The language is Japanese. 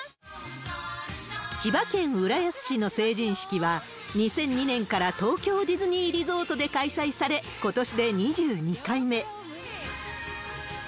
千葉県浦安市の成人式は、２００２年から東京ディズニーリゾートで開催され、ことしで２２回目。